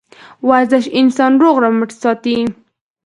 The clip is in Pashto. ورزش انسان روغ رمټ ساتي